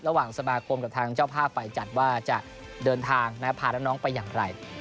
ระหว่างสมาคมกับทางเจ้าภาพฝ่ายจัดว่าจะเดินทางพาน้องไปอย่างไร